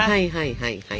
はいはい。